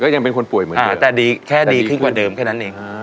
เราก็ยังเป็นคนป่วยแต่ดีขึ้นกว่าเดิมแค่นั้นเอง